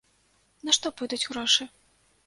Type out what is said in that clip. На што пойдуць грошы?